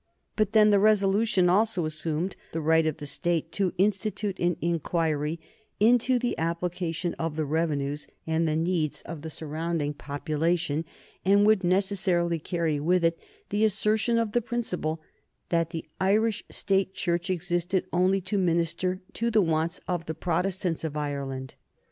But then the resolution also assumed the right of the State to institute an inquiry into the application of the revenues and the needs of the surrounding population, and would necessarily carry with it the assertion of the principle that the Irish State Church existed only to minister to the wants of the Protestants of Ireland.